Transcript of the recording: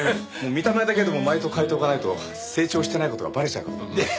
見た目だけでも前と変えておかないと成長してない事がバレちゃうかと思って。